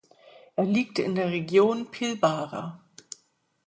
Er liegt in der Region Pilbara.